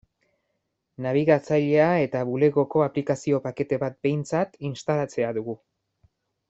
Nabigatzailea eta Bulegoko aplikazio-pakete bat behintzat instalatzea dugu.